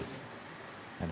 gak ada pilihan buat dia